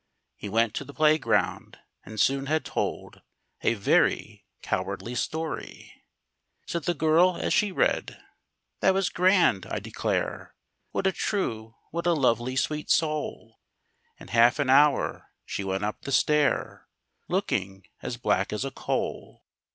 He went to the playground, and soon had told A very cowardly story! Said the girl as she read, "That was grand, I declare! What a true, what a lovely, sweet soul!" In half an hour she went up the stair, Looking as black as a coal!